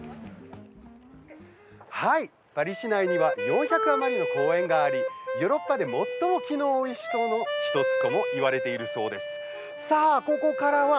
パリ市内には４００余りの公園がありヨーロッパで最も木の多い都市の１つともいわれています。